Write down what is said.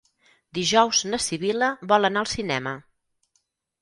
Dijous na Sibil·la vol anar al cinema.